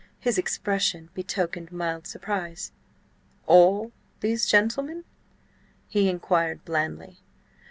His expression betokened mild surprise. "All these gentlemen?" he inquired blandly.